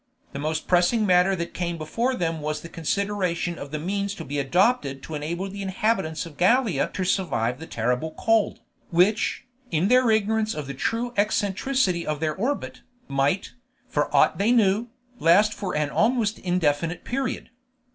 The most pressing matter that came before them was the consideration of the means to be adopted to enable the inhabitants of Gallia to survive the terrible cold, which, in their ignorance of the true eccentricity of their orbit, might, for aught they knew, last for an almost indefinite period.